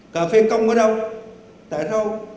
cà phê công ở đâu tại đâu